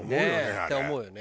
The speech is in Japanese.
って思うよね。